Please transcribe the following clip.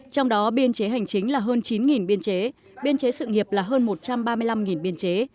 trong đó biên chế hành chính là hơn chín biên chế biên chế sự nghiệp là hơn một trăm ba mươi năm biên chế